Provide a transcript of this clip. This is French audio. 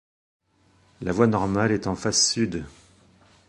La voie normale est en face sud.